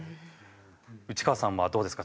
内川さんはどうですか？